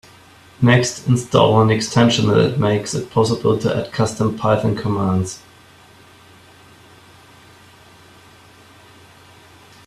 Next, install an extension that makes it possible to add custom Python commands.